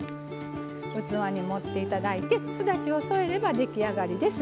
器に盛って頂いてすだちを添えれば出来上がりです。